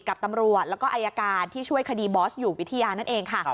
กับตำรวจแล้วก็อายการที่ช่วยคดีบอสอยู่วิทยานั่นเองค่ะ